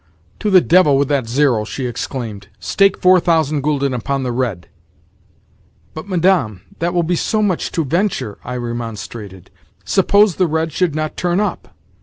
"To the devil with that zero!" she exclaimed. "Stake four thousand gülden upon the red." "But, Madame, that will be so much to venture!" I remonstrated. "Suppose the red should not turn up?"